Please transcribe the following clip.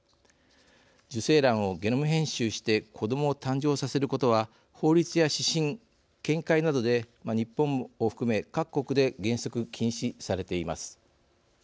受精卵をゲノム編集して子どもを誕生させることは法律や指針、見解などで日本を含め各国で原則、禁止されています。